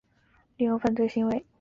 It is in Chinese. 利用犯罪行为